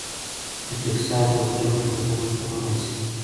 د ټیکساس بزګر لږه ځمکه کرلی شي.